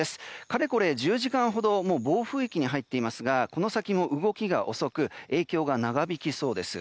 かれこれ１０時間ほど暴風域に入っていますがこの先も動きが遅く影響が長引きそうです。